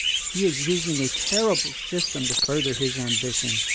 He is using a terrible system to further his ambi tion.